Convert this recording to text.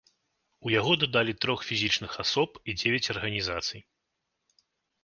У яго дадалі трох фізічных асоб і дзевяць арганізацый.